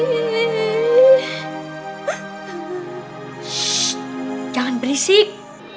shh jangan berisik